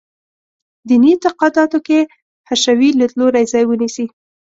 دیني اعتقاداتو کې حشوي لیدلوری ځای ونیسي.